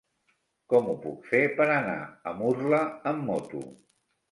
Com ho puc fer per anar a Murla amb moto?